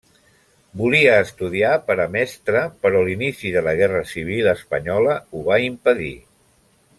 Volia estudiar per a mestre però l'inici de la guerra civil espanyola ho va impedir.